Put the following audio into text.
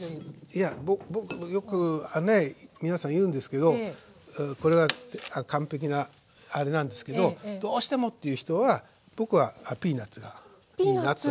いやよく皆さん言うんですけどこれが完璧なあれなんですけどどうしてもっていう人は僕はピーナツがいいなと思ってます。